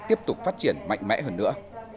tiếp tục phát triển mạnh mẽ hơn nữa